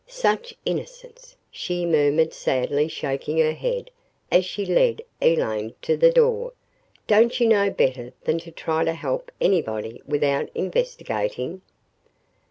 "Such innocence!" she murmured sadly shaking her head as she lead Elaine to the door. "Don't you know better than to try to help anybody without INVESTIGATING?"